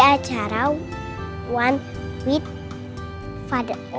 aku mau cerita aja